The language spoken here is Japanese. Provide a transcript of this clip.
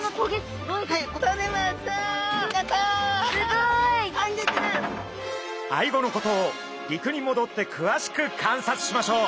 アイゴのことを陸にもどってくわしく観察しましょう。